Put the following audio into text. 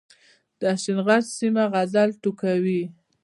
د اشنغر سيمه غزل ټوکوي